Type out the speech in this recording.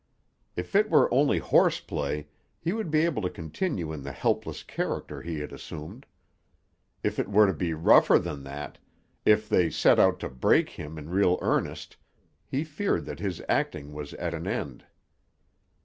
If it were only horse play he would be able to continue in the helpless character he had assumed. If it were to be rougher than that, if they set out to break him in real earnest, he feared that his acting was at an end.